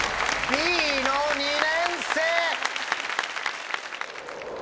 Ｂの２年生！